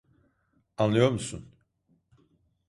Anliyor musun?